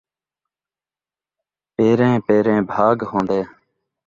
پیریں پیرں بھاڳ ہوندے